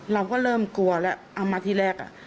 เราก็เริ่มกลัวแล้วเอามาที่แรก